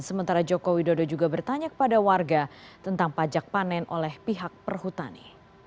sementara joko widodo juga bertanya kepada warga tentang pajak panen oleh pihak perhutani